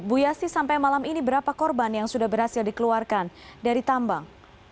bu yasti sampai malam ini berapa korban yang sudah berhasil dikeluarkan dari tambang